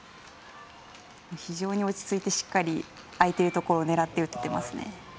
非常に落ち着いてしっかり空いてるところを狙って打ってますね。